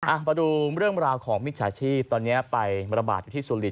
เอาประดูกเรื่องราวของมิจฉาภีภญตอนนี้ไปมาระบาดอยู่ที่ซ้วอนรีน